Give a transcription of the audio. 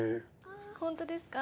本当ですか？